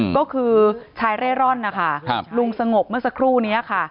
ก็คือชายเร่ร่อนนะคะลุงสงบเมื่อสักครู่นี้ค่ะ